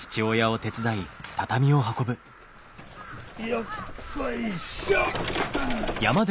よっこいしょ！